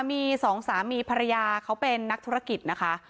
มีสองสามีภรรยาเขาเป็นนักธุรกิจนะคะ